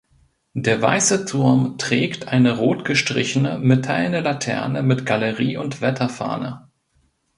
Der weiße Turm trägt eine rot gestrichene metallene Laterne mit Galerie und Wetterfahne.